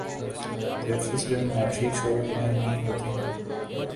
ترقی صرف معاشی شعبے میں نہیں ہوتی۔